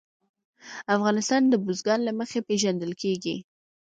افغانستان د بزګان له مخې پېژندل کېږي.